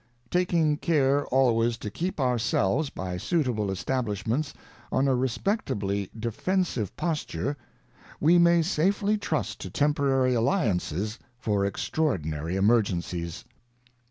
ŌĆö Taking care always to keep ourselves^ by suitable establishments, on a respectably defensive posture, we may safely trust to temporary alliances for extraordinary emer gencies.